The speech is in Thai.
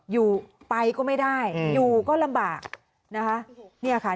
อยู่ไปก็ไม่ได้อยู่ก็ลำบากนะคะเนี่ยค่ะ